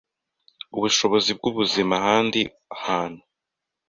ubushobozi bwubuzima ahandi hantu